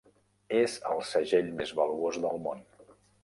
És el segell més valuós del món.